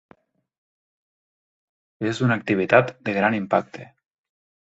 És una activitat de gran impacte.